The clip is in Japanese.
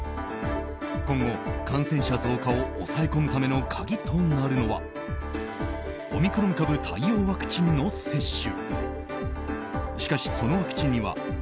今後、感染者増加を押さえ込むための鍵となるのはオミクロン株対応ワクチンの接種。